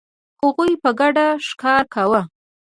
هغوی په ګډه ښکار کاوه.